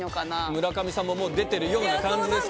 村上さんももう出てる感じです。